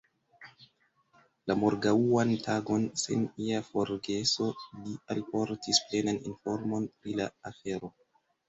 La morgaŭan tagon, sen ia forgeso, li alportis plenan informon pri la afero.